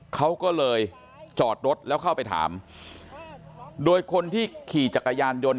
เขาก็เลยจอดรถแล้วเข้าไปถามโดยคนที่ขี่จักรยานยนต์